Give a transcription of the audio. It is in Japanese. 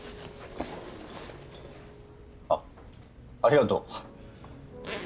あっ「ありがとう」か。